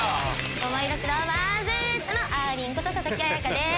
ももいろクローバーＺのあーりんこと佐々木彩夏です。